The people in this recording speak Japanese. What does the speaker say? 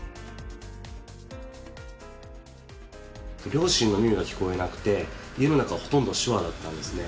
両親の耳が聞こえなくて家の中はほとんど手話だったんですね。